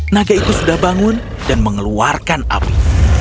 naga itu sudah bangun dan mengeluarkan api